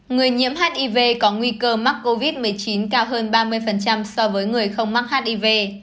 người nhiễm hiv có nguy cơ mắc covid một mươi chín cao hơn ba mươi so với người không mắc hiv